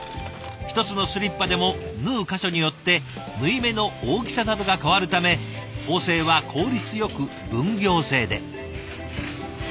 一つのスリッパでも縫う箇所によって縫い目の大きさなどが変わるため縫製は効率よく分業制で。